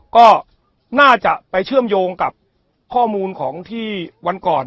ก็น่าจะไปเชื่อมโยงกับข้อมูลของที่วันก่อน